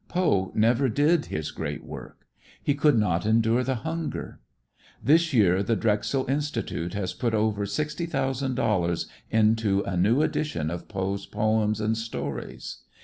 Poe never did his great work. He could not endure the hunger. This year the Drexel Institute has put over sixty thousand dollars into a new edition of Poe's poems and stories.